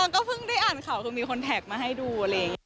ก็เพิ่งได้อ่านข่าวก็มีคนแท็กมาให้ดู